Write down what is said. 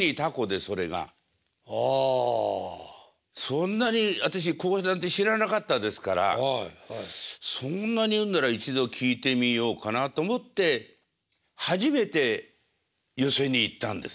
そんなに私講談って知らなかったですからそんなに言うんなら一度聴いてみようかなと思って初めて寄席に行ったんです。